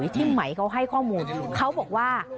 ที่ไหมเขาให้ข้อมูลเขาบอกว่า